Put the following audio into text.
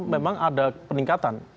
memang ada peningkatan